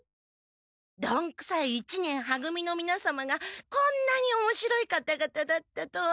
どんくさい一年は組のみなさまがこんなにおもしろい方々だったとは。